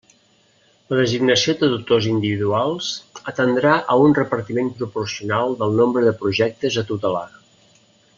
La designació de tutors individuals atendrà a un repartiment proporcional del nombre de projectes a tutelar.